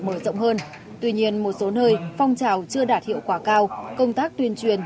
mở rộng hơn tuy nhiên một số nơi phong trào chưa đạt hiệu quả cao công tác tuyên truyền